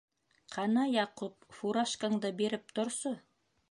- Ҡана, Яҡуп, фуражкаңды биреп торсо.